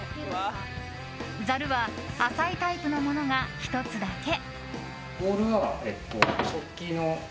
ざるは、浅いタイプのものが１つだけ。